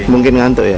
mungkin ngantuk ya